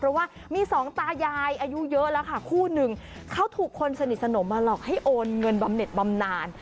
เพราะว่ามีสองตายายอายุเยอะแล้วค่ะคู่หนึ่งเขาถูกคนสนิทสนมมาหลอกให้โอนเงินบำเน็ตบำนาน